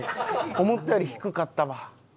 思ったより低かったわ。